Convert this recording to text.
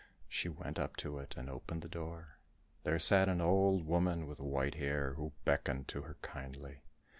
She went up to it and opened the door; there sat an old woman with white hair, who beckoned to her kindly.